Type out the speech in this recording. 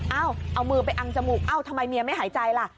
เอ้าเอามือไปอังจมูกเอ้าทำไมเมียไม่หายใจล่ะ